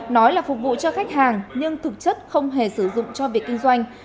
nói là phục vụ cho khách hàng nhưng thực chất không hề sử dụng cho việc kinh doanh